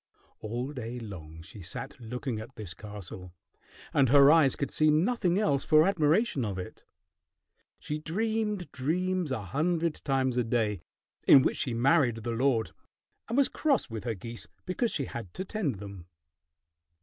All day long she sat looking at this castle, and her eyes could see nothing else for admiration of it. She dreamed dreams a hundred times a day, in which she married the lord, and was cross with her geese because she had to tend them.